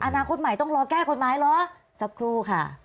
อนาคตใหม่ต้องรอแก้กฎหมายเหรอสักครู่ค่ะ